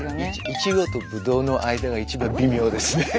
イチゴとブドウの間が一番微妙ですね。